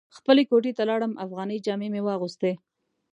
خپلې کوټې ته لاړم افغاني جامې مې واغوستې.